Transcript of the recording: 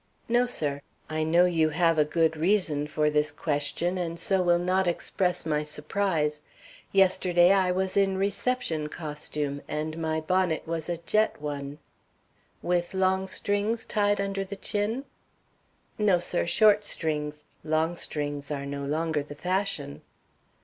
"No, sir. I know you have a good reason for this question, and so will not express my surprise. Yesterday I was in reception costume, and my bonnet was a jet one " "With long strings tied under the chin?" "No, sir, short strings; long strings are no longer the fashion."